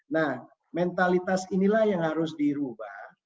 nah mentalitas inilah yang harus dirubah